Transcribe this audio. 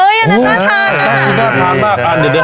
เฮ้ยอันนั้นน่าทานมาก